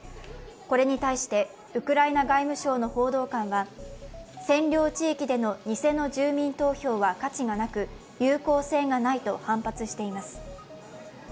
これに対して、ウクライナ外務省の報道官は、占領地域での偽の住民投票は価値がなく有効性がないと反発しています。